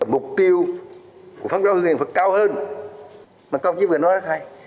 mục tiêu của phát triển hưng yên phải cao hơn mà không chỉ về nó là hai